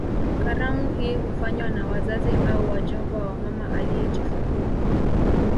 Karamu hii hufanywa na wazazi au wajomba wa mama aliyejifungua